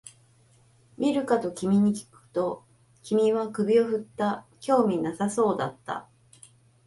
見るかと君にきくと、君は首を振った、興味なさそうだった